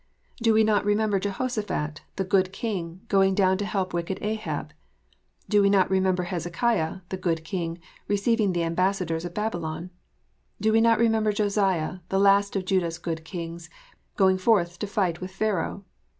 367 Do we not remember Jehoshaphat, the good king, going down to help wicked Ahab ? Do we not remember Hezekiah, the good king, receiving the ambassadors of Babylon? Do we not remember Josiah, the last of Judah s good kings, going forth to fight with Pharaoh?